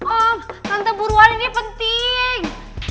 oh tante buruan ini penting